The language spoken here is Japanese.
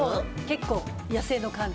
結構、野生の勘で。